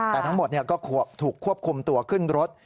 แต่ทั้งหมดก็ถูกควบคุมตัวขึ้นรถ